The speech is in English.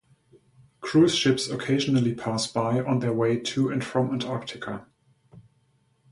Cruise ships occasionally pass by on their way to and from Antarctica.